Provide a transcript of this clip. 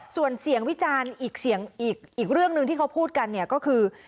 ส่วนเสี่ยงวิจารณ์อีกเรื่องหนึ่งที่เขาพูดกันก็คือ